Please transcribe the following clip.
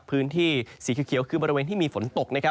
พื้นที่สีเขียวคือบริเวณที่มีฝนตก